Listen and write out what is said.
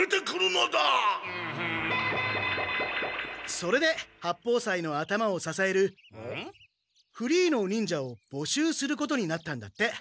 それで八方斎の頭をささえるフリーの忍者をぼ集することになったんだって。